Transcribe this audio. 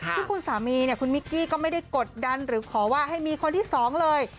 ที่คุณสามีเนี่ยคุณมิกกี้ก็ไม่ได้กดดันหรือขอว่าให้มีคนที่สองเลย